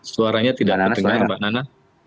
suaranya tidak terdengar mbak nana